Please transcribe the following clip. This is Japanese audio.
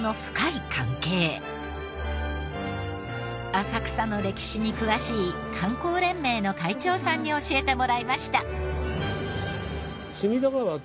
浅草の歴史に詳しい観光連盟の会長さんに教えてもらいました。